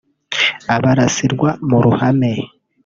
abarasirwa mu ruhame